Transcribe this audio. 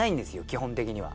基本的には。